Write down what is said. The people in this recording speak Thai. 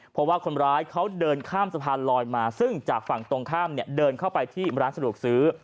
เพราะว่าคนร้ายเขาเดินข้ามสะพานลอยมาซึ่งจากฝั่งตรงข้ามเนี่ยเดินเข้าไปที่ร้านสะดวกซื้อ